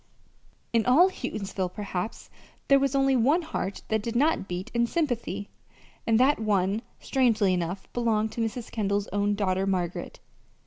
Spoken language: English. In all Houghtonsville, perhaps, there was only one heart that did not beat in sympathy, and that one, strangely enough, belonged to Mrs. Kendall's own daughter, Margaret.